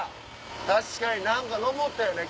確かに何か登ったよね